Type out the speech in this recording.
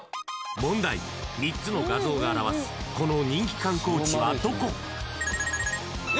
問題、３つの画像が表すこの人気観光地はどこ？